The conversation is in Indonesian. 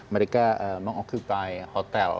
mereka meng occupy hotel